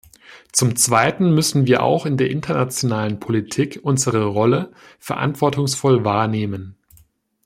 Zum Zweiten müssen wir auch in der internationalen Politik unsere Rolle verantwortungsvoll wahrnehmen.